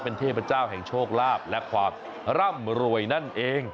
เป็นเทพเจ้าแห่งโชคลาภและความร่ำรวยนั่นเอง